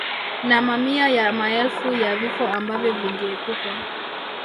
Na mamia ya maelfu ya vifo ambavyo vingeepukwa